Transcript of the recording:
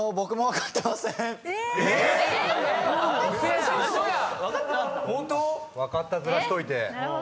分かったヅラしといて。